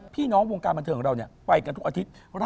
พี่น้องวงการบรรเทิงเราเนี่ยไปกันทุกอาทิตย์